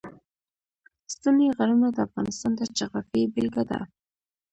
ستوني غرونه د افغانستان د جغرافیې بېلګه ده.